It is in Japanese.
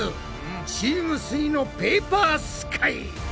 チームすイのペーパースカイ！